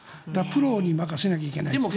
プロに任せないといけないから。